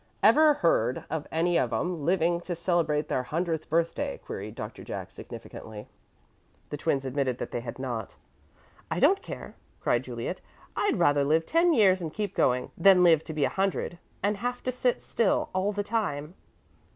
"Ever heard of any of 'em living to celebrate their hundredth birthday?" queried Doctor Jack, significantly. The twins admitted that they had not. "I don't care," cried Juliet, "I'd rather live ten years and keep going, than live to be a hundred and have to sit still all the time."